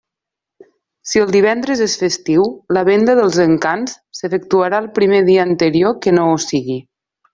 Si el divendres és festiu, la venda dels Encants s'efectuarà el primer dia anterior que no ho sigui.